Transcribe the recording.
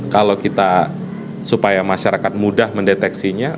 kalau kita supaya masyarakat mudah mendeteksinya